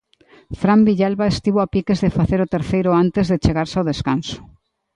Fran Villalba estivo a piques de facer o terceiro antes de chegarse ao descanso.